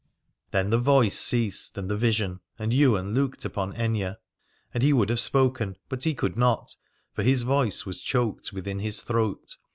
Then the voice ceased, and the vision : and Ywain looked upon Aithne. And he would have spoken, but he could not, for his voice was choked within his throat.